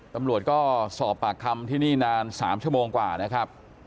ตำรวจก็สอบปากคำที่นี่นาน๓ชั่วโมงกว่านะครับ